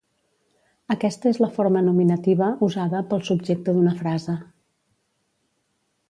Aquesta és la forma nominativa, usada pel subjecte d'una frase.